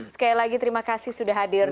sekali lagi terima kasih sudah hadir